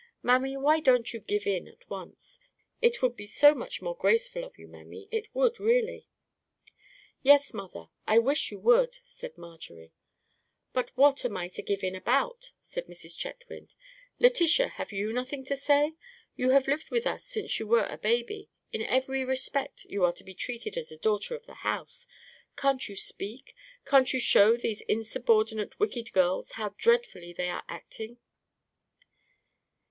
Mammy, why don't you give in at once? It would be so much more graceful of you, mammy; it would really." "Yes, mother; I wish you would," said Marjorie. "But what am I to give in about?" said Mrs. Chetwynd.—"Letitia, have you nothing to say? You have lived with us since you were a baby; in every respect you have been treated as a daughter of the house. Can't you speak, can't you show these insubordinate, wicked girls how dreadfully they are acting?"